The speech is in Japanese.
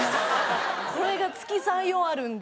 これが月３４あるんで。